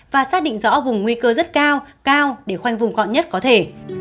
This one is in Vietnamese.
và xác định rõ vùng nguy cơ rất cao cao để khoanh vùng gọn nhất có thể